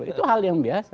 itu hal yang biasa